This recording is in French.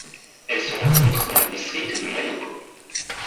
Elle se rencontre dans le district de Mayoko.